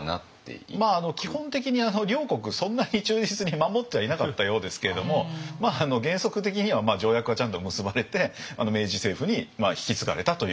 基本的に両国そんなに忠実に守ってはいなかったようですけれども原則的には条約はちゃんと結ばれて明治政府に引き継がれたということですよね。